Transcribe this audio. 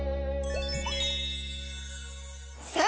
さあ